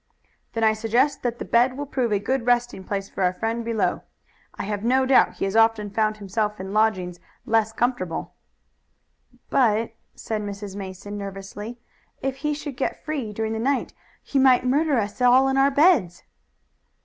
"Then I suggest that the bed will prove a good resting place for our friend below. I have no doubt he has often found himself in lodgings less comfortable." "But," said Mrs. Mason nervously, "if he should get free during the night he might murder us all in our beds."